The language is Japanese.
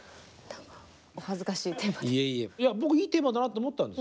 お恥ずかしいテーマで。